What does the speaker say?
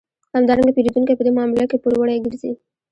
همدارنګه پېرودونکی په دې معامله کې پوروړی ګرځي